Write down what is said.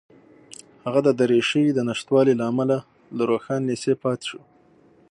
هغه د دریشۍ د نشتوالي له امله له روښان لېسې پاتې شو